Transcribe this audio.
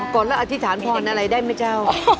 ก่อนแล้วอธิษฐานพรอะไรได้ไหมเจ้า